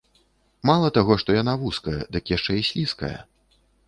Мала таго што яна вузкая, дык яшчэ і слізкая.